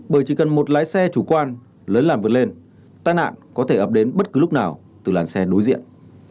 bởi chỉ cần một lái xe chủ quan lấn làn vượt lên tai nạn có thể ập đến bất cứ lúc nào từ làn xe đối diện